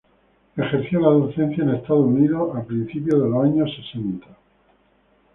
Ejerció la docencia en Estados Unidos a principios de los años sesenta.